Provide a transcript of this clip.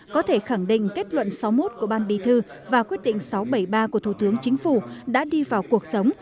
có thể khẳng định kết luận sáu mươi một của ban bì thư và quyết định sáu trăm bảy mươi ba của thủ tướng chính phủ đã đi vào cuộc sống